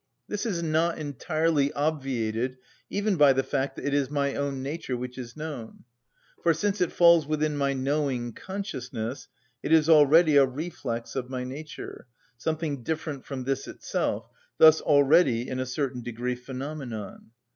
This is not entirely obviated even by the fact that it is my own nature which is known; for, since it falls within my knowing consciousness, it is already a reflex of my nature, something different from this itself, thus already in a certain degree phenomenon.